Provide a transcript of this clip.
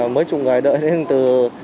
mấy chục người đợi đến từ